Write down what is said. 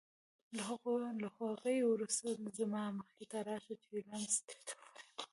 له هغې وروسته زما مخې ته راشه چې رمز درته ووایم.